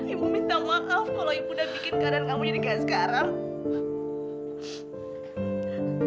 ibu minta maaf kalau ibu udah bikin keadaan kamu jadi kayak sekarang